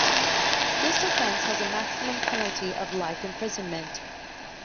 This offence has a maximum penalty of life imprisonment.